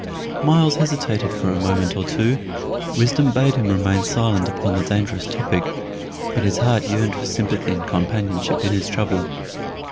Myles hesitated for a moment or two; wisdom bade him remain silent upon the dangerous topic, but his heart yearned for sympathy and companionship in his trouble.